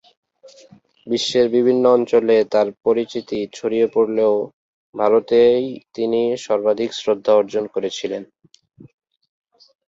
বিশ্বের বিভিন্ন অঞ্চলে তার পরিচিতি ছড়িয়ে পড়লেও, ভারতেই তিনি সর্বাধিক শ্রদ্ধা অর্জন করেছিলেন।